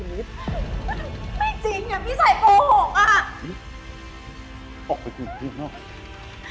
ไม่จริงพี่ชัยโกหก